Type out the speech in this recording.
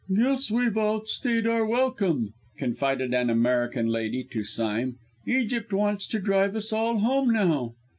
"Guess we've outstayed our welcome!" confided an American lady to Sime. "Egypt wants to drive us all home now."